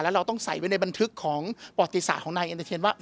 แล้วเราต้องใส่ไว้ในบัณฑึกของปลอติศาจของลายอินเตอร์เทียมว่า